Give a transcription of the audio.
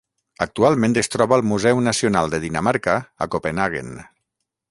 Actualment es troba al Museu Nacional de Dinamarca a Copenhaguen.